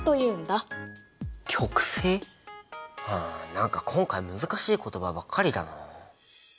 何か今回難しい言葉ばっかりだなあ。